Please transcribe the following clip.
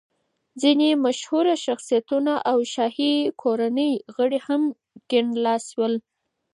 ځینې مشهوره شخصیتونه او شاهي کورنۍ غړي هم کیڼ لاسي ول.